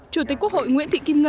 chủ tịch quốc hội nguyễn thị kim ngân